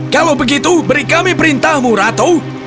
kalau begitu beri kami perintahmu ratu